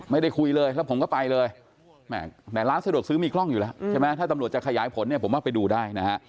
ไม่ได้คุยเลยแล้วผมก็ไปเลยในร้านสะดวกซื้อมีกล้องอยู่แล้วใช่ไหมถ้าตำรวจจะขยายผลเนี่ยผมว่าไปดูได้นะฮะ